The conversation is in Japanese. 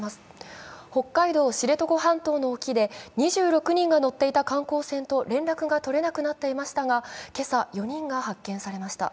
北海道知床半島の沖で２６人が乗っていた観光船と連絡が取れなくなっていましたが、今朝、４人が発見されました。